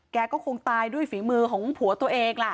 แกก็คงตายด้วยฝีมือของผัวตัวเองล่ะ